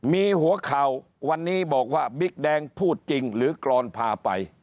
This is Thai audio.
มีหัวข่าววันนี้บอกว่าบิ๊กแดงพูดจริงหรือกรอนพาไป